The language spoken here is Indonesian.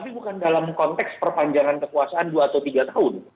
tapi bukan dalam konteks perpanjangan kekuasaan dua atau tiga tahun